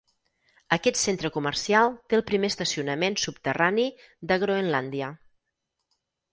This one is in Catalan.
Aquest centre comercial té el primer estacionament subterrani de Groenlàndia.